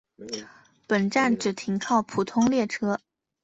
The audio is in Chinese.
本站只停靠普通列车。